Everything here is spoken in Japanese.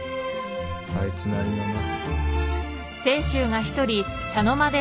あいつなりのな。